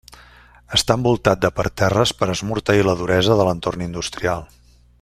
Està envoltat de parterres per esmorteir la duresa de l'entorn industrial.